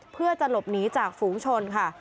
เพื่อจะหลบหนีจากฝูงชนค่ะ